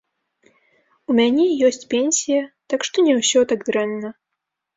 У мяне ёсць пенсія, так што не ўсё так дрэнна.